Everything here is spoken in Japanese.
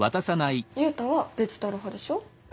ユウタはデジタル派でしょ？